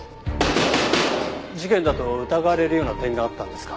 事件だと疑われるような点があったんですか？